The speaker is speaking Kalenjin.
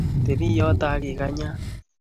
Tebi yoto, agiganyan